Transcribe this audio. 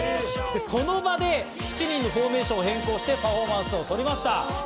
その場で７人のフォーメーションに変更してパフォーマンスを撮りました。